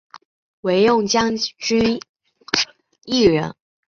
惟用将军一人。